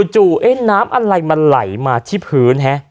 จู่เอ๊ะน้ำอะไรมาไหลมาที่พื้น